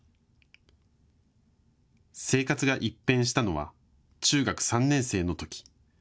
生活が一変したのは中学３年生のとき。